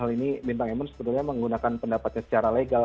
hal ini bintang emon sebetulnya menggunakan pendapatnya secara legal